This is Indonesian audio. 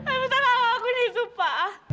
aku tak akan ngelakuin itu pa